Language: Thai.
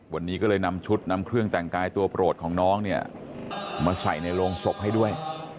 วันนี้ก็เลยนำชุดนำเครื่องแต่งกายตัวโปรดของน้องเนี่ยมาใส่ในโรงศพให้ด้วย